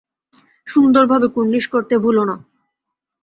সুন্দরভাবে কুর্নিশ করতে ভুলোনা।